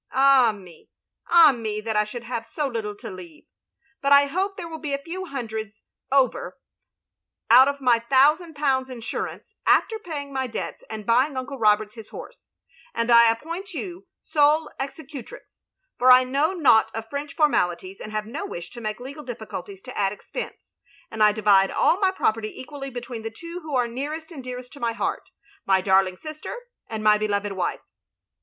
— Ah me, ah me, that I should have so little to leave ! But I hope there wiU be a few hundreds over out of my thousand pounds^ insurance, after paying my debts, and buying Uncle Roberts his horse; and I appoint you sole executrix, for I know naught of French formalities and have no wish to make legal difficulties to add expense; and I divide all my property equally between the two who are nearest and dearest to my heart, my darling sister and my beloved wife.